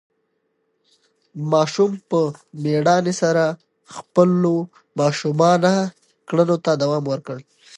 ماشوم په مېړانې سره خپلو ماشومانه کړنو ته دوام ورکړ.